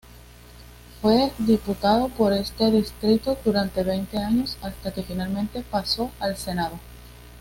Fue diputado por este distrito durante veinte años hasta que finalmente pasó al Senado.